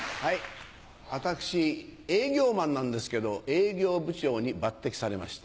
私営業マンなんですけど営業部長に抜擢されました。